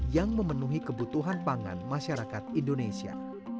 yang memenuhi kebutuhan pangan masyarakat indonesia